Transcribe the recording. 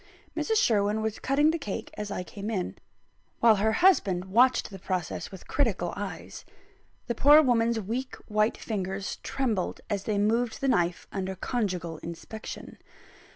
Mrs. Sherwin was cutting the cake as I came in, while her husband watched the process with critical eyes. The poor woman's weak white fingers trembled as they moved the knife under conjugal inspection.